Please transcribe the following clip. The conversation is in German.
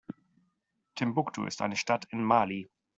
Timbuktu ist eine Stadt in Mali.